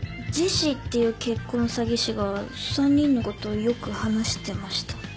ジェシーっていう結婚詐欺師が３人のことよく話してました。